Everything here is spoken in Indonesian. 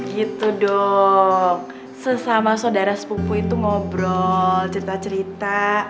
gitu dong sesama saudara sepupu itu ngobrol cerita cerita